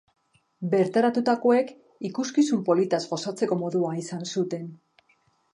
Bertaratutakoek ikuskizun politaz gozatzeko modua izan zuten.